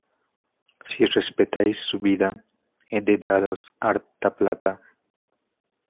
¡ si respetáis su vida, he de daros harta plata!